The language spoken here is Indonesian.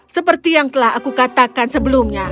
seperti yang telah aku katakan sebelumnya